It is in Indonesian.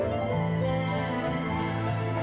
kita ke rumah mano